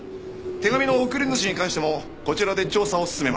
手紙の送り主に関してもこちらで調査を進めます。